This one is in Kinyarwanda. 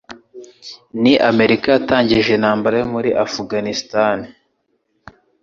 Ni Amerika yatangije intambara yo muri afuganisitani